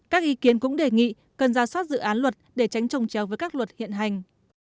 các ý kiến cũng đề nghị cần ra soát dự án luật để tránh trồng trèo với các luật hiện hành